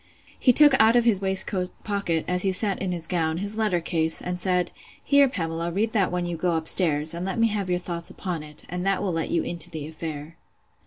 He took out of his waistcoat pocket, as he sat in his gown, his letter case, and said, Here, Pamela, read that when you go up stairs, and let me have your thoughts upon it; and that will let you into the affair.